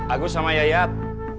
aku sama yayat